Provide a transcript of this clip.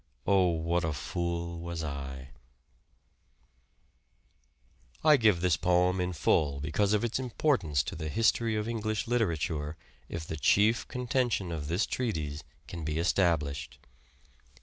Oh what a fool was I." I give this poem in full because of its importance to the history of English literature if the chief conten tion of this treatise can be established.